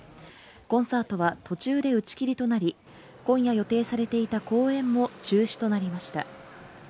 コンサートは途中で打ち切りとなり今夜予定されていた公演も中止となりました。